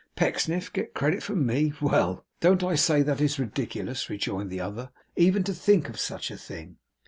'Pecksniff get credit from me! Well!' 'Don't I say that it's ridiculous,' rejoined the other, 'even to think of such a thing?